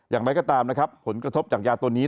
อย่างไรก็ตามนะครับผลกระทบจากยาตัวนี้